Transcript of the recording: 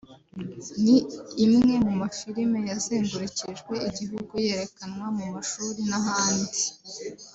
ni imwe mu mafilime yazengurukijwe igihugu yerekanwa mu mashuri n’ahandi